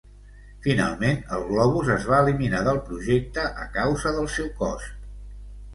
Finalment, el globus es va eliminar del projecte a causa del seu cost.